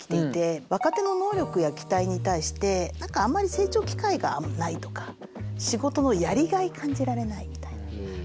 若手の能力や期待に対して何かあんまり成長機会がないとか仕事のやりがい感じられないみたいな。